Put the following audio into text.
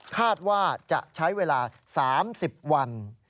คาดว่าจะใช้เวลา๓๐วัน